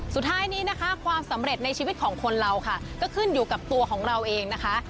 สุดท้ายนี้นะคะความสำเร็จในชีวิตของคนเราค่ะก็ขึ้นอยู่กับตัวของเราเองนะคะ